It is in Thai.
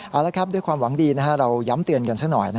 เอาละครับด้วยความหวังดีเราย้ำเตือนกันซะหน่อย